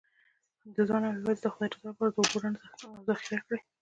د ځان او یوازې د خدای د رضا لپاره اوبه ډنډ او ذخیره کړئ.